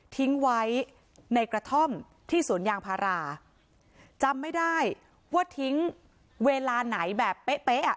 ทิ้งไว้ในกระท่อมที่สวนยางพาราจำไม่ได้ว่าทิ้งเวลาไหนแบบเป๊ะเป๊ะอ่ะ